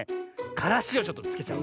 からしをちょっとつけちゃう。